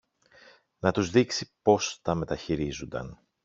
να τους δείξει πώς τα μεταχειρίζουνταν.